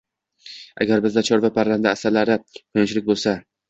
Agar bizda chorva, parranda, asalari, quyonchilik bo‘lsa